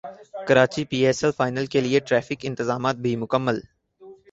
Karachi P S L final کیلئے traffic انتظامات بھی مکمل